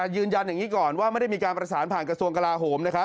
ยืนยันอย่างนี้ก่อนว่าไม่ได้มีการประสานผ่านกระทรวงกลาโหม